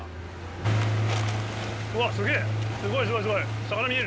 うわ、すげえ！